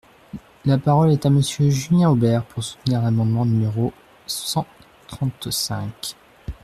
La parole est à Monsieur Julien Aubert, pour soutenir l’amendement numéro cent trente-cinq.